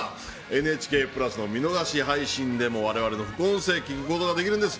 ＮＨＫプラスの見逃し配信でも我々の副音声を聞くことができるんです。